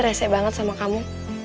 rese banget sama kamu